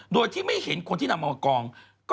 โดยที่ไม่เห็นคนที่นำเอามากอง